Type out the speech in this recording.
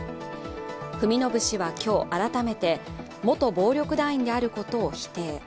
文信氏は今日改めて元暴力団員であることを否定。